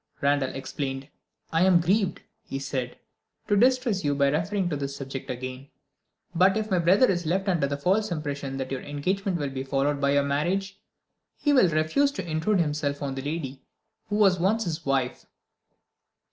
Randal explained. "I am grieved," he said, "to distress you by referring to this subject again. But if my brother is left under the false impression that your engagement will be followed by your marriage, he will refuse to intrude himself on the lady who was once his wife."